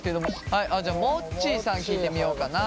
はいじゃあもっちーさん聞いてみようかな。